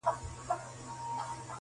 • یوه ورځ به د ښکاري چړې ته لویږي -